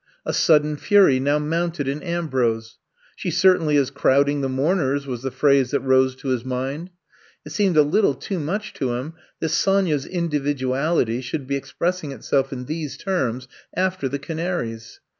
A sudden fury now mounted in Ambrose. She certainly is crowding the mourn ers, was the phrase that rose to his mind. It seemed a little too much to him that Sonya *s individuality should be expressing itself in these terms after the canaries.